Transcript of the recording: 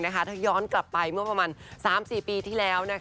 แล้วย้อนกลับไป๓๔ปีทีแล้ว